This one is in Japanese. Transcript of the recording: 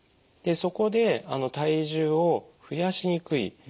でそこで体重を増やしにくい。